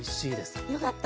よかった。